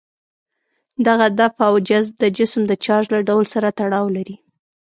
دغه دفع او جذب د جسم د چارج له ډول سره تړاو لري.